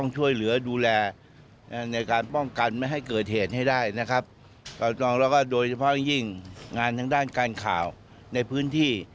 จริงงานทางด้านการข่าวในพื้นที่